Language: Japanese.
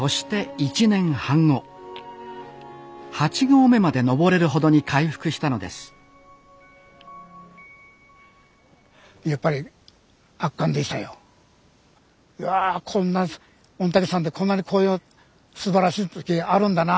うわこんな御嶽山ってこんなに紅葉すばらしい時あるんだな。